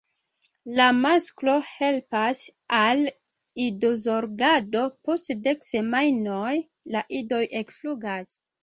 La masklo helpas al idozorgado: post dek semajnoj la idoj ekflugas.